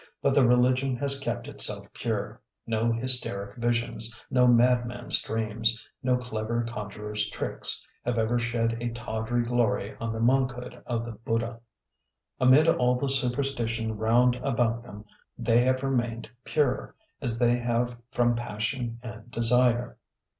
But the religion has kept itself pure. No hysteric visions, no madman's dreams, no clever conjurer's tricks, have ever shed a tawdry glory on the monkhood of the Buddha. Amid all the superstition round about them they have remained pure, as they have from passion and desire.